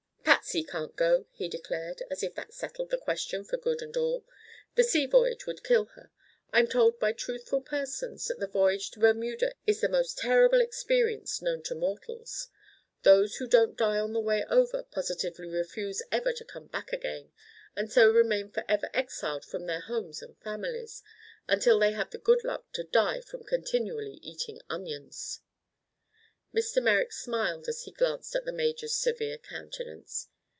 "Patsy can't go," he declared, as if that settled the question for good and all. "The sea voyage would kill her. I'm told by truthful persons that the voyage to Bermuda is the most terrible experience known to mortals. Those who don't die on the way over positively refuse ever to come back again, and so remain forever exiled from their homes and families—until they have the good luck to die from continually eating onions." Mr. Merrick smiled as he glanced at the major's severe countenance.